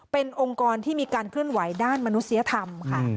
เป็นองค์กรที่มีการเคลื่อนไหวด้านมนุษยธรรมค่ะ